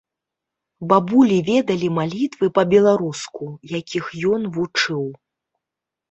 Бабулі ведалі малітвы па-беларуску, якіх ён вучыў.